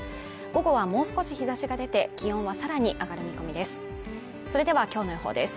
午後はもう少し日差しが出て気温はさらに上がる見込みです